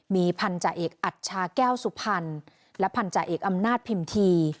มีพันธาเอกอัชชาแก้วสุพรรณและพันธาเอกอำนาจพิมพี